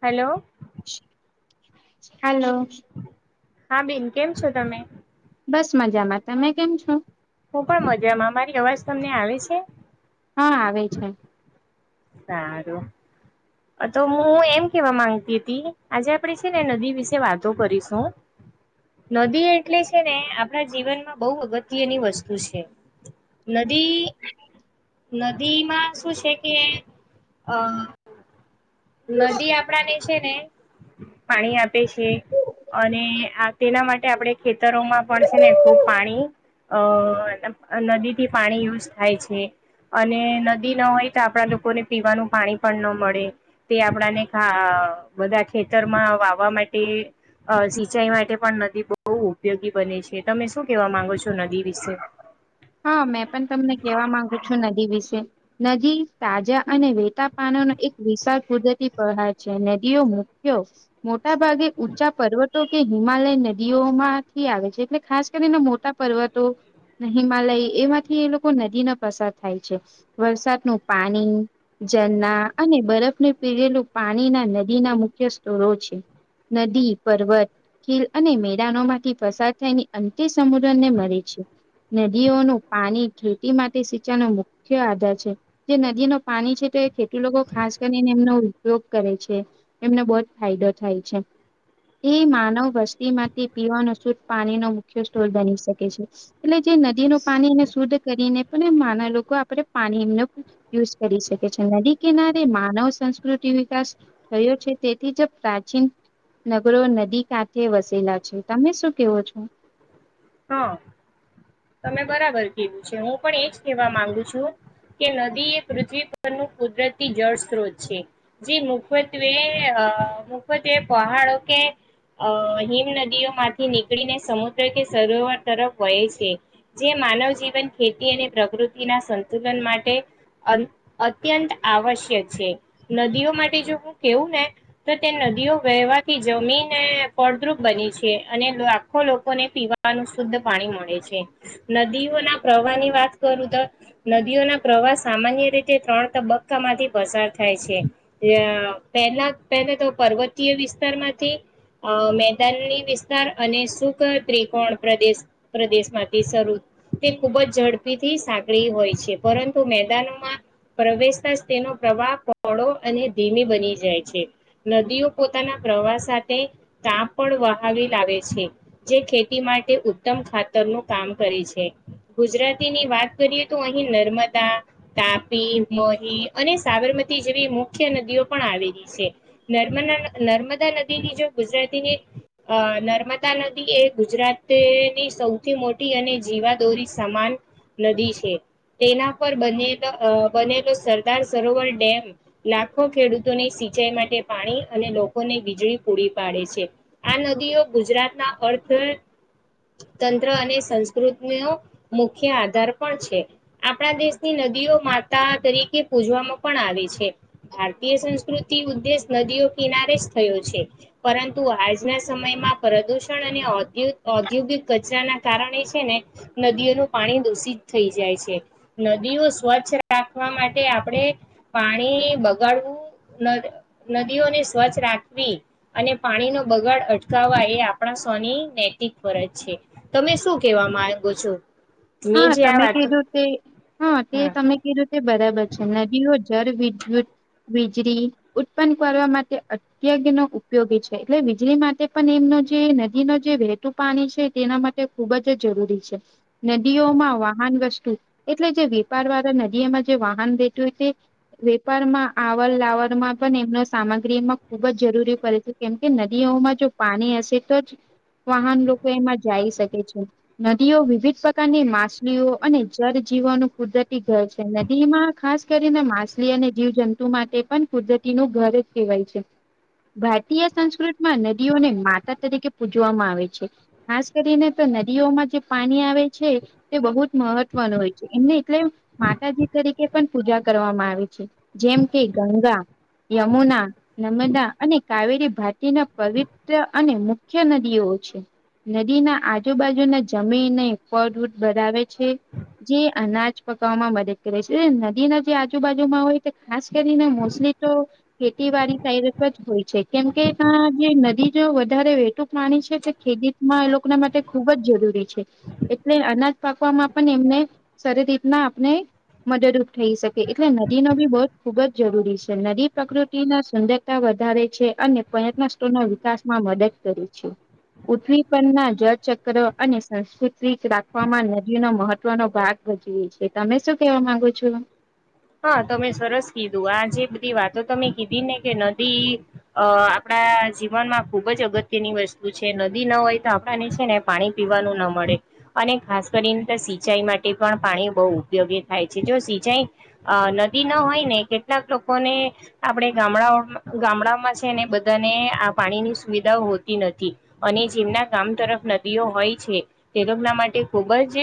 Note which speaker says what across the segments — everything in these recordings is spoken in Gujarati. Speaker 1: હેલો.
Speaker 2: હલો.
Speaker 1: હા બેન કેમ છો તમે?
Speaker 2: બસ મજામાં, તમે કેમ છો.
Speaker 1: હું પણ મજામાં, મારી અવાજ તમને આવે છે.
Speaker 2: હા આવે છે.
Speaker 1: સારું. અ તો હું એમ કેવા માંગતી તી આજે આપણેે છે ને નદી વિશે વાતો કરીશું. નદી એટલે છે ને આપણા જીવનમાં બઉ અગત્યની વસ્તુ છે. નદી, નદીમાં શું છે કે અ નદી આપણાને છે ને પાણી આપે છે. અને આ તેના માટે આપણે ખેતરોમાં પણ છે ને ખુબ પાણી અ નદીથી પાણી યુઝ થાય છે. અને નદી ન હોય તો આપણા લોકોને પીવાનું પાણી પણ ન મળે. તે આપણાને ખા બધા ખેતરમાં વાવવા માટે અ સિંચાઈ માટે પણ નદી બઉ ઉપયોગી બને છે તમે શું કેવા માંગો છો. નદી વિશે
Speaker 2: હા, મેં પણ તમને કેવા માંગુ છું ન નદી વિશે નદી તાજા અને વેટા પાનો ન એક વિશાળ કુદરતી પ્રહાર છે. ઇએ મુખ્યો મોટા ભાગે ઊંચા પર્વતો કે હિમાલય નદીઓ માંથી આવે છે. એટલે ખાસ કરીને મોટા પર્વતો ન હિમાલય એમાંથી એ લોકો નદી ના પસાર થાય છે, વરસાદનું પાણી ઝરના અને બરફને પીરેલું પાણી ના નદીના મુખ્ય સ્થરો છે. નદી પર્વત, ખીલ અને મેદાનો માંથી પસાર થાયને અંતે સમુદ્ર ને મળે. શું નદીઓનું પાણી ખેતી માટે સિંચાનો મુખ્ય આધાર છે જે નદી નો પાણી છે તે ખેતી લોકો ખાસ કરીને એમનો ઉપયોગ કરે છે એમને બઉ જ ફાયદો થાય છે. એ માનવ વસ્તીમાંથી પીવાનો શુદ પાણીનો મુખ્ય સ્ટોર બની શકે છે. એટલે જે નદીનું પાણી એને શુદ્ધ કરીને પણ એ નાના લોકો આપે પાણી એમનો યુઝ કરી શકે છે. નદી કિનારે માનવ સંસ્કૃતિ વિકાસ થયો છે તેથી જ પ્રાચીન નગરો નદી કાંઠે વસેલા છે. તમે શું કેવો છો?
Speaker 1: ત. તમે બરાબર કીધું છે, હું પણ એજ કેવા માંગુ છું. કે નદી એ પૃથ્વી પરનું કુદરતી જળ સ્ત્રોત છે. જે મુખ્યત્વે અ અ મુફતે પહાડો કે અ હિમ નદીઓ માંથી નીકળીને સમુદ્ર કે સરોવર તરફ વહે છે. જે માનવ જીવન, ખેતી અને પ્રકૃતિના સંતુલન માટે અં અત્યંત આવશ્યક છે. નદીઓ માટે જો હું કેવું ને તો તે નદીઓ વહેવાથી જમીન એ ફળદ્રુપ બની છે, અને લાખો લોકોને પીવા નુ શુદ્ધ પાણી મળે છે. નદીઓના પ્રવાહ ની વાત કરું તો નદીઓના પ્રવા વા સામાન્ય રીતે ત્રણ તબક્કામાંથી પસાર થાય છે [unintelligible] પહેલા પલા પર્વતીય વિસ્તાર માંથી અ મેદાનની વિસ્તાર અને સુખ ટ્રી કોણ પ્રદેશ પ્રદેશ માંથી શરૂ તે ખુબ જ ઝડપીથી સાંકળી હોય છે પરંતુ મેદાનમાં પ્રવેશતા જ તેનો પ્રવાહ પળો અને ધીમી બની જાય છે. નદીઓ પોતાના પ્રવાહ સાથે કામ પણ વહાવી લાવે છે જે ખે તી માટે ઉત્તમ ખાતરનું કામ કરે છે ગુજરાતીની વાત કરીએ તો અહી નર્મ દા તાપી, મોરી અને સાબરમતી જેવી મુખ્ય નદીઓ પણ આવેલી છે. નર્મદા નર્મદા નદીની જો ગુજરાતીની અ નર્મદા નદી એ ગુજરાતની સૌથી મોટી અને જીવાદોરી સમાન નદી છે. તેના પર બનેલ બનેલો સરદાર સરોવર ડેમ લાખો ખેડૂતોની સિંચાઈ માટે પાણી અને લોકોને વીજળી પૂરી પાડે છે આ નદીઓ ગુજરાતના અર્થ [unintelligible] તંત્ર અને સંસ્કૃતિ નુ મુખ્ય આધાર પણ છે આપણા દેશની ન દીઓ માતા તરીકે પૂજવામાં પણ આવે છે ભારતીય સંસ્કૃતિ ઉદ્દેશ નદીઓ કિનારે જ થયો છે પરંતુ આજના સમયમાં પ્રદુષણ અને ઔદૂત ઔદ્યોગિક કચરા ના કારણે છે ને નદીઓનું પાણી દૂષિત થઈ જાય છે. નદી ઓ સ્વચ્છ રાખવા માટે આપણે પાણી બગાડવું નદ નદીઓને સ્વચ્છ રાખવી અને પાણી નો બગાડ અટકાવવા એ આપણા સ ખોની નૈતિક ફરજ છે. તમે શું કેવા માંગો છો? મેં
Speaker 2: હા
Speaker 1: જે આ
Speaker 2: તમે
Speaker 1: વાતો
Speaker 2: કધુંતે હા તે
Speaker 1: હમ
Speaker 2: તમે કધુંતે બરાબર છે નદીનું જ જળ વિદ્યુત વીજળી ઉત્પન્ન કરવા માટે અત્યગ નો ઉપયોગી છે એટલે વીજળી માટે પણ એમનો જે નદીનું જે વહેતું પાણી છે તેના માટે ખુબ જ જરૂરી છે. નદીઓમાં વાહન વસ્તું એટલે જે વેપાર વાળા નદીઓમાં જે વાહન રહેેતું હોય તે વેપારમાં આવર લાવરમાં પણ એમનો સામગ્રી એમાં ખુબ જ જરૂરી પડે છે કેમ કે નદીઓ માં જો પાણી હશે તો જ વાહન લોકો એમાં જઈ શકે છે નદીઓ વિવિધ પ્ર કારની માછલીઓ અને જળ જીવોનું કુદરતી ઘર છે નદીમાં ખાસ કરીને માછલી અને જીવ જંતુ માટે પણ કુદરતીનું ઘર જ કહેવાય છે. ભારતીય સંસ્કૃતિમાં નદીઓને માતા તરીકે પૂજવામાં આવે છે ખાસ કરીને તો નદીઓમાં જે પાણી આવે. છે તે બહુ જ મહત્વનું હોય છે એમને એટલે માતાજી તરીકે કે પણ પૂજા કરવામાં આવી છે જેમ કે ગંગા, યમુના નર્મદા અને કાવેરી ભાટીના પવિત્ર અને મુખ્ય નદીઓ છે. નદીના આજુબાજુના જમીનને ફડ બરાવે છે. જે અનાજ પકાવવામાં મદદ કરે છે, નદીના જે આજુબાજુમાં હોય તે ખાસ કરીને મોસમી તો ખેતીવાડી [unintelligible] જ હોય છે, કેમકે ત્યા જે નદી જો વધારે વેહતુ પા પાણી છે, તે ખેદીત એ લોકોના માટે ખુબ જ જરૂરી છે. એટલે અનાજ પાકવામાં પણ એમને સારી રીતના આપને મદદરૂપ થઈ શકે એટલે નદીનો બી બોધ ખુબ જ જરૂરી છે, નદી પ્રકૃતિના સુંદરતા વ વધારે છે, અને પર્યટન સ્થળના વિકાસમાં મદદ કરે છે. પૃથ્વી પરના જળચક્ર અને સંસ્કૃ સ્વીચ રાખવામાં નદીનો મહત્વનો ભાગ ભજવે છે, તમે શું કેવા માંગો છો?
Speaker 1: હા તમે સરસ કીધું આ જે બધી વાતો તમે કીધી ને કે નદી અ આપડા જીવન માં ખુબ જ અગત્યની વસ્તુ છે, નદી ન હોય તો આપણાને છે, ને પાણી પીવાનું ન મળે અને ખાસ કરીને ત સિંચાઈ માટે પણ પાણી બોવ ઉપયોગી થાય છે, જો સિંચાઈ અ નદી ન હોય ને કેટલાક લોકોને આપડે ગામડાઓ ગામડામાં છે, ને બધાને આ પાણીની સુવિધાઓ હોતી નથી અને જેમના ગામ તરફ નદીઓ હોય છે. તે લોકોના માટે ખુબ જ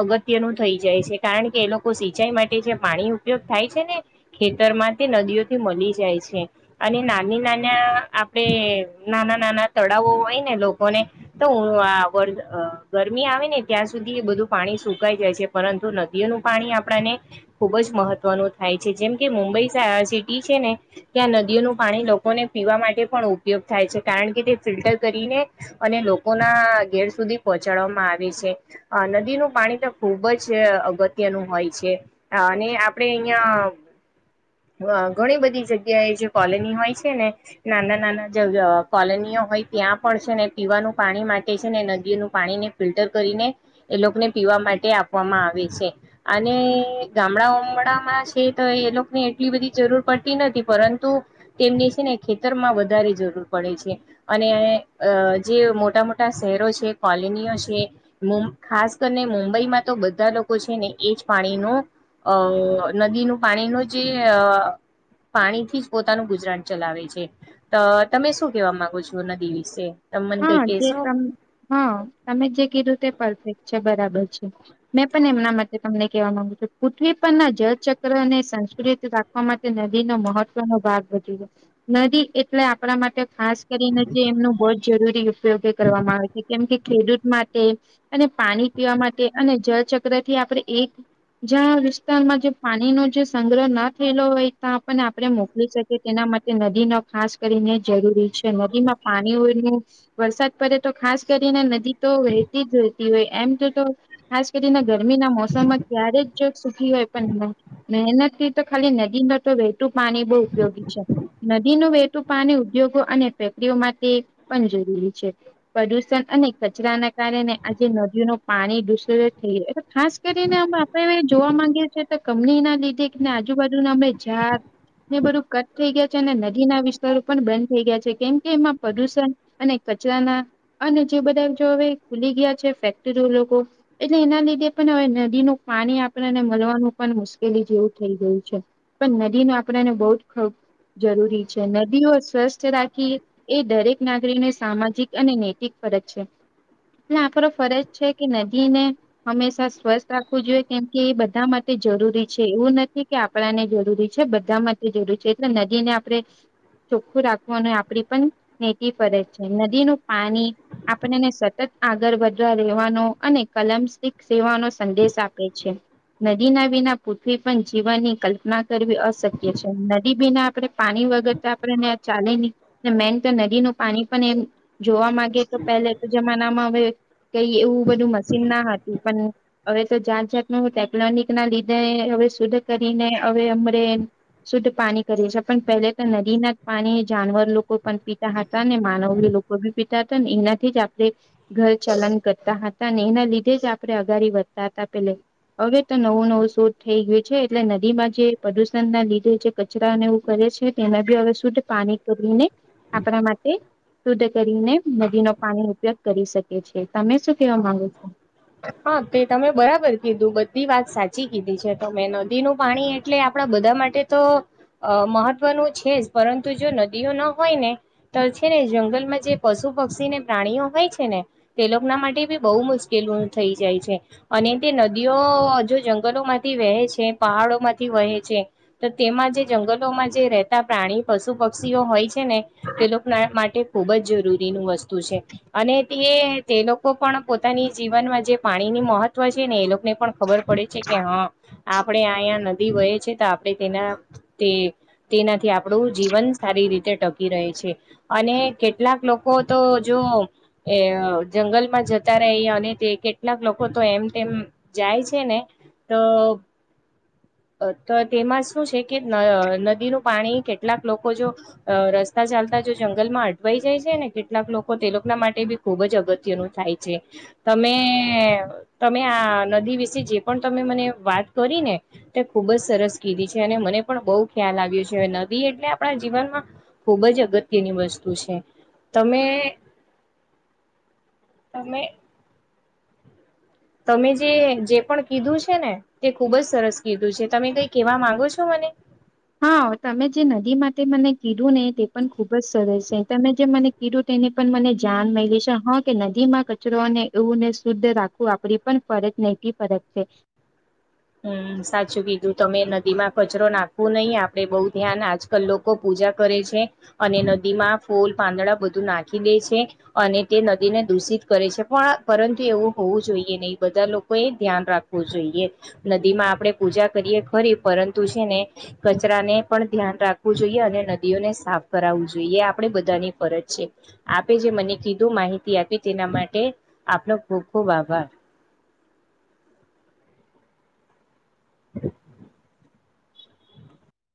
Speaker 1: અગત્યનું થઈ જાય છે, કારણ કે એ લોકો સિંચાઈ માટે જે પાણી ઉપયોગ થાય છે, ને ખેતરમાં તે નદીઓથી મલી જાય છે, અને નાની નાના આપણેે નાના નાના તળાવો હોય ને લોકોને તો હું આ વર અ ગરમી આવે ને ત્યાં સુધી એ બધું પાણી સુકાઈ જાય છે, પરંતુ નદીઓનું પાણી આપણાને ખૂબ જ મહત્વનું થાય છે, જેમ કે મુંબઈ સા સિટી છે, ને ત્યાં નદીઓનું પાણી લોકોને પીવા માટે પણ ઉપયોગ થાય છે, કારણ કે તે ફિલ્ટર કરીને અને લોકોના ઘેર સુધી પ ચડવામાં આવે છે, અ નદીનું પાણી તો ખુબ જ અગત્યનું હોય છે. અ ને આપડે અહિયાં અ ઘણી બધી જગ્યા એ જે કોલોની હોય છે, ને નાના નાના જ અ કોલોની હોય ત્યાં પણ છે, ને પીવાનું પાણી માટે છે, ને નદીનું પાણીને ફિલ્ટર કરીને એલોકોને પીવા માટે આપવામાં આવે છે, અને ગામડા ઓમડામાં છે, તો એ લોકો ને એટલી બધી જરૂર પડતી નથી પરંતુ તેમને છે, ને ખેતરમાં વધારે જરૂર પડે છે, અને અ જે મોટા મોટા શહેરો છે. કોલીનીઓ છે, મુ ખાસ કરીને મુંબઈમાં તો બધા લોકો છે, ને એજ પાણીનો અ નદીનું પાણીનું જે અ પાણીથી જ પોતાનું ગુજરાન ચલાવે છે, અ મે શું કેવા માંગો છો નદી વિશે? તમે મને કઈ
Speaker 2: હા જે
Speaker 1: કહેશો?
Speaker 2: તમ હા તમે જે કીધું તે પરફેક્ટ છે, બરા બર છે, મેં પણ એમના માટે તમને કેવા માંગુ છું પૃથ્વી પરના જળચક્ર અને સંસ્કૃત રાખવા માટે નદીનો મહત્વનો ભાગ વધી ગ્યો નદી એટલે આપણા માટે ખાસ કરીને જેમ જરૂરી ઉપયોગી કરવામાં આવે છે, કેમ કે ખેડૂત માટે અને પાણી પીવા માટે અને જળચક્રથી આપડે એક જ્યાં વિસ્તારમાં જે પા ણીનો જે સંગ્રહ ન થયેલો હોય તા આપને આપણે મોકલી શકીએ તેના માટે નદીનો ખાસ કરીને જરૂરી છે, નદીમાં પાણીઓનું વરસાદ પડે તો ખાસ કરીને નદીતો વહેતી જ રહેતી હોય એમ તો તો ખાસ કરીને ગરમીના મોસમમાં ક્યારે જ સુખી હોય પણ મહે મહેનત થી તો ખાલી નદી નતો વે તુવું પાણી બો ઉપયોગી છે, નદીનું વહેતું પાણી ઉદ્યોગો અને ફેક્ટરીઓ માટે પન જરૂરી છે, પ્રદુષણ અને કચરાના કારણે આજે નદીઓનુ પાણી દૂષ [unintelligible] ખાસ કરીને અમે આપડે જોવા માંગીએ તો કમની ના લીધે ને આ આજુબાજુના અમે જાડને બધું કટ થઈ ગયા છે ને નદી ના વિસ્તારો પણ બંધ થઈ ગયા છે, કેમ કે એમાં પ્રદુષણ અને કચરાના અને જે બધા જો હવે ખુલી ગયા છે, ફેક્ટરીઓ લોકો એટલે એના ના લીધે પણ હવે નદીનું પાણી આપણને મલવાનું પણ મુશ્કેલી જેવું થઈ ગયું છે, પણ નદી [unintelligible] આપને બોવ જરૂરી છે, નદીઓ સ્વસ્થ રાખી એ દરેક નાગરિકને સામાજિક અને નૈતિક ફરજ છે. એટલે આપરો ફરજ છે, કે નદીને હંમેશા સ્વસ્થ રાખવું જોઈએ કેમ કે એ બધા માટે જરૂરી છે, એવું નથી કે આપણાને જરૂરી છે, બધા માટે જરૂરી છે, એટલે નદીને આપણે ચોખ્ખું રાખવાનું આપડી પન નેતી ફ છે નદી નું પાણી આપણને સતત આગળ વધવા રહેેવાનું અને કલમસ્ સેવાનો સંદેશ આપે છે નદી ના વિના પૃથ્વી પણ જીવનની કલ્પના કરવી અશક્ય છે નદી વિના આપણે પાણી વગર આપ ચાલે નહી નદીનું પાણી પણ એમ જોવા માંગે તો પહેલા તો જમાનામાં હવે કઈ એવું બધું મશીન ના હતું પણ હવે તો જાત જાત ન હ ટેકનોનિક ના લીધે શુદ્ધ કરીને હવે અમ શુદ્ધ પાણી કરીએ છીએ પણ પહેલે તો નદી ના પાણી આરવણ લોકો પણ ભી હતા અને માનવ લોકો ભી પીતા હતા એનાથી જ આપણે ઘર ચલન કરતા હતા અને એના લીધે જ આપણે અગારી વધતા હતા પેલે હવે તો નવું નવું શોધ થઈ ગયું છે એટલે નદીમાં જે પ્રદુષણ ના લીધે છે કચરાને એવું કરે તેમાં બી હવે શું પાણી તોરીને આપણા માટે શુદ્ધ કરીને નદીનો પાણી ન ઉપયોગ કરી શકે છે તમે શું કેવા માંગુ છો
Speaker 1: હા તે તમે બરાબર કીધું બધી વાત સાચી વચી કીધી છે તો મેં નદીનું પાણી એટલે આપડા બધા માટે તો અ મહત્વનું છે જ પરંતુ જો નદીઓ ન હોય ને તો છે ને જંગલમાં જે પશુ પક્ષી ને પ્રાણીઓ હોય છે ને તે લોકોના માટે બી બહુ મુશ્કેલ થઈ જાય છે અને તે નદીઓ જો જંગલો માંથી વહે છે પહાડો માંથી વહે છે તો તેમાં જે જંગલોમાં જે રહેતા પ્રાણી પશુ પક્ષીઓ હોય છે ને તે લોકો ના માટે ખૂબ જ જરૂરીનું વસ્તુ છે અને તે તે લોકો પણ પોતાની જીવનમાં જે પાણીની મહત્વ છે ને એ લોકોને પણ ખબર પડે છે કે હા આપણેે અયા નદી વય છે તે તેનાથી આપણું જીવન સારી રીતે ટકી રહે છે અને અને કેટલાક લોકો તો જો જંગલમાં જતા રહી અને તે કેટલાક લોકો તો એમ તેમ જાય છે ને તો અ તો તેમાં શું છે કે નદીનો પાણી કેટલાક લોકો જો રસ્તા ચાલતા જો જંગલમાં અટવાઈ જાય છે ને કેટલાક લોકો તે લોકો માટે બી ખુબ જ અગત્યનું થાય છે તમે તમે આ નદી વિશે જે પણ તમે મને વાત કરી ને તે ખુબ જ સરસ ક છે અને મને પણ બહુ ખ્યાલ આવ્યો છે હ નદી એટલે આપણા જીવનમાં ખુબ જ અગત્યની વસ્તુ છે તમે તમે જે જે પણ કીધું છે ને તે ખુબજ સરસ કીધું છે તમે કઈ કેવા માંગો છો મને હે
Speaker 2: હા તમે જે નદી માટે મને કીધું ને તે પણ ખુબ જ સરસ છે તમે જે મને એધું તેને પણ મને જાન મળે છે હા કે નદી માં કચરો અને એવુંને શુદ્ધ રાખવું આપડી પણ ફરજ નહતી ફરજ છે
Speaker 1: હમ સાચું કીધું તમે નદી માં કચરો નાખો નહી આપડે બહુ ધ્યાન આજકાલ લોકો પૂજા કરે છે અને નદી માં ફૂલ પાંદડા બધા નાખી દે છે અને તે નદીને દૂષિત કરે છે પણ પરંતુ એવું હોવું જોઈએ નહી બધું બધા લોકોએ ધ્યાન રાખવું જોઈએ નદી માં આપડે પૂજા કરીએ ખરી પરંતુ છે ને કચરાને પણ ધ્યાન રાખવું જોઈએ અને નદીઓને સાફ કરાવવું જોઈએ એ આપણે બધાની ફરજ છે આપે જે મને કીધું માહિતી આપ તેના માટે આપનો ખૂબ ખૂબ આભાર [inaudible]